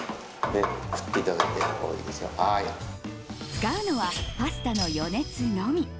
使うのはパスタの余熱のみ。